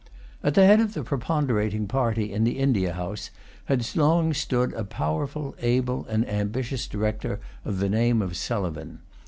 At the head of the preponderating party in the India House, had long stood a powerful, able, and ambitious director of the name of Sulivan.